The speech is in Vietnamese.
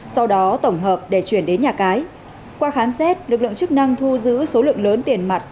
sau đó tổng hợp để chuyển đến nhà cái qua khám xét lực lượng chức năng thu giữ số lượng lớn tiền mặt